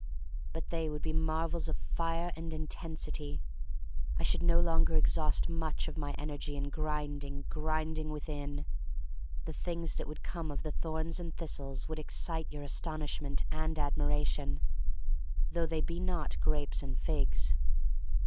But they would be marvels of fire and intensity. I should no longer exhaust much of my energy in grinding, grinding within. The things that would come of the thorns and thistles would excite your astonishment and admiration, though they be not grapes and figs.